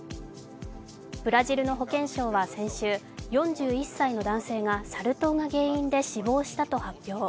ブラジルの保健省は先週、４１歳の男性がサル痘が原因で死亡したと発表。